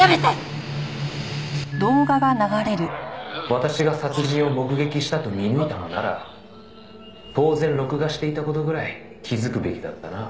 「私が殺人を目撃したと見抜いたのなら当然録画していた事ぐらい気づくべきだったな」